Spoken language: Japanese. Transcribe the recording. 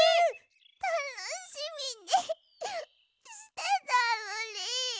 たのしみにしてたのに。